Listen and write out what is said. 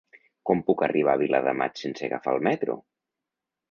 Com puc arribar a Viladamat sense agafar el metro?